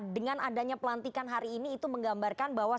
dengan adanya pelantikan hari ini itu menggambarkan bahwa